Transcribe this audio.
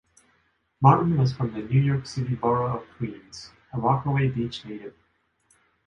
Martin was from the New York City borough of Queens, a Rockaway Beach native.